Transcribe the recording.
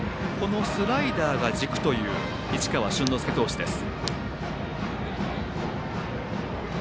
スライダーが軸という市川春之介投手です。